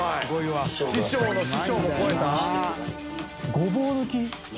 ごぼう抜き？